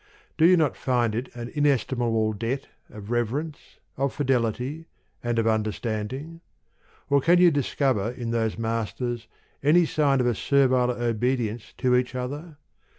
Do you not find it an inestimable debt of reverence, of fidelity, and of understanding? Or can you discover in those masters any sign of a servile obedience to each other